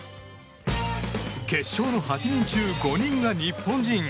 決勝の８人中５人が日本人。